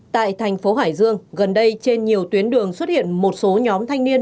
tại thành phố hải dương gần đây trên nhiều tuyến đường xuất hiện một số nhóm thanh niên